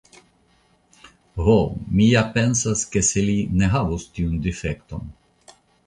Ho, mi ja pensas, ke se li ne havus tiun difekton.